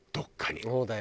そうだよね。